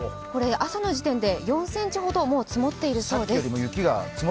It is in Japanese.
朝の時点で４ｃｍほど積もっているそうです。